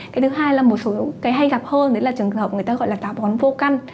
cái thứ hai là một số cái hay gặp hơn đấy là trường hợp người ta gọi là táo bón vô căn